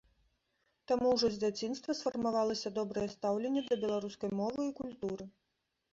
Таму ўжо з дзяцінства сфармавалася добрае стаўленне да беларускай мовы і культуры.